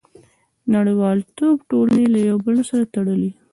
• نړیوالتوب ټولنې له یو بل سره تړلي.